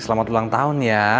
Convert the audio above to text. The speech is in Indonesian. selamat ulang tahun ya